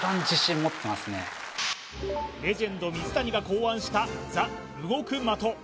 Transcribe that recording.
レジェンド水谷が考案したＴＨＥ動く的